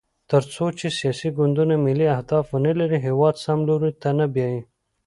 تر څو چې سیاسي ګوندونه ملي اهداف ونلري، هېواد سم لوري ته نه بیايي.